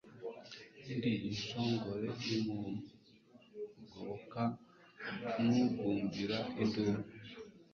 Ndi inshongore y'umugoboka nugumbira induru